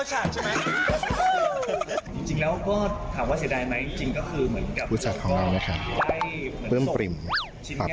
จริงแล้วก็ถามว่าเสียดายไหมจริงก็คือมีการพูดจาก